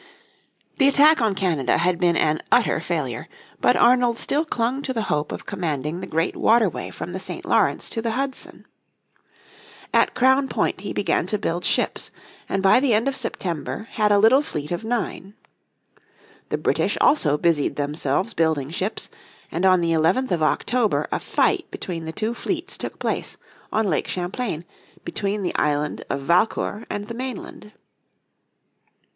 The attack on Canada had been an utter failure, but Arnold still clung to the hope of commanding the great waterway from the St. Lawrence to the Hudson. At Crown Point he began to build ships, and by the end of September had a little fleet of nine. The British also busied themselves building ships, and on the 11th of October a fight between the two fleets took place on Lake Champlain, between the island of Valcour and the mainland.